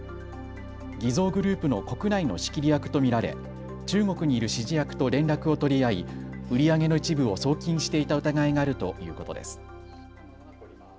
偽造グループの国内の仕切り役と見られ中国にいる指示役と連絡を取り合い、売り上げの一部を送金していた疑いがあるということです。